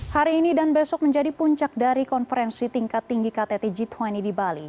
hari ini dan besok menjadi puncak dari konferensi tingkat tinggi ktt g dua puluh di bali